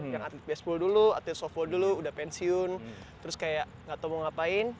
yang atlet baseball dulu atlet softball dulu udah pensiun terus kayak nggak tau mau ngapain